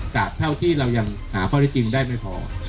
เท่าที่เรายังหาข้อได้จริงได้ไม่พอ